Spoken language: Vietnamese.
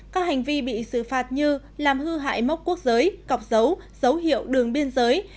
các hành vi bị xử phạt như làm hư hại mốc quốc giới cọc dấu dấu hiệu đường biên giới